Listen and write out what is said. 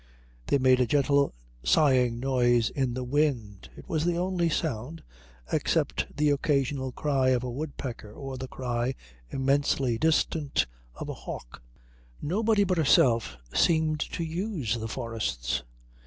They made a gentle sighing noise in the wind. It was the only sound, except the occasional cry of a woodpecker or the cry, immensely distant, of a hawk. Nobody but herself seemed to use the forests.